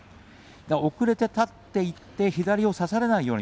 遅れて立っていって左を差されないように。